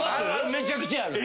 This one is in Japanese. めちゃくちゃある。